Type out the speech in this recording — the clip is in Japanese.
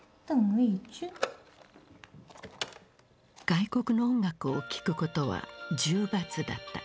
外国の音楽を聴くことは重罰だった。